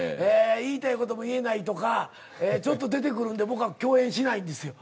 言いたいことも言えないとかちょっと出てくるんで僕は共演しないんですよ。